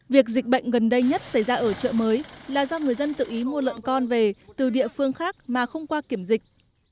việc dịch bệnh gần đây nhất xảy ra ở chợ mới là do người dân tự ý mua lợn con về từ địa phương khác mà không qua kiểm dịch